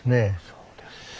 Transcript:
そうですね。